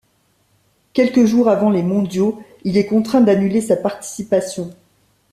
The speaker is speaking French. Quelques jours avant les mondiaux, il est contraint d'annuler sa participation.